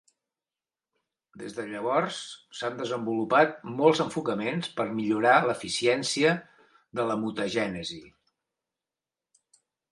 Des de llavors, s'han desenvolupat molts enfocaments per millorar l'eficiència de la mutagènesi.